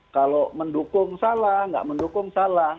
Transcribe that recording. kalau mendukung salah nggak mendukung salah